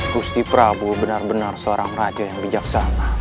gusti prabu benar benar seorang raja yang bijaksana